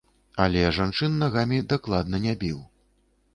Але жанчын нагамі дакладна не біў.